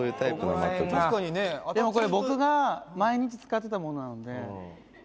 「でもこれ僕が毎日使ってたものなので」